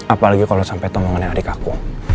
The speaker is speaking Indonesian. apalagi kalau sampai tonggongan adik aku